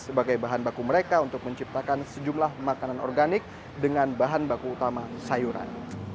sebagai bahan baku mereka untuk menciptakan sejumlah makanan organik dengan bahan baku utama sayuran